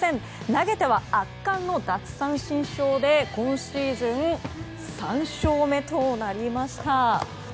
投げては圧巻の奪三振ショーで今シーズン３勝目となりました。